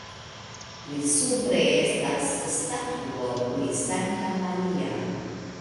Pli supre estas statuo pri Sankta Maria.